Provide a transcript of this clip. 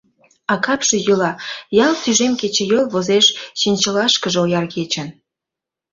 А капше йӱла, ялт тӱжем кечыйол возеш чинчылашкыже ояр кечын.